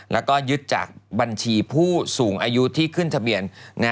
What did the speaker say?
แล้วก็ยึดจากบัญชีผู้สูงอายุที่ขึ้นทะเบียน